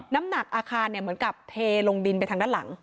น้ำหนักอาคารเหมือนกับเทลงดินไปทางด้านหลัง